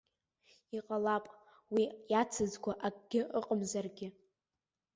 Иҟалап, уи иацызго акгьы ыҟамзаргьы.